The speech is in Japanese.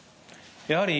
やはり。